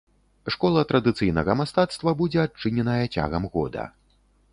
Школа традыцыйнага мастацтва будзе адчыненая цягам года.